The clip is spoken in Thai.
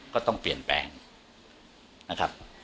ก็ต้องเปลี่ยนแปลงนะครับ